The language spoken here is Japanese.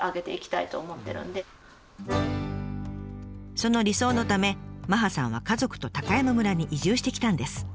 その理想のため麻葉さんは家族と高山村に移住してきたんです。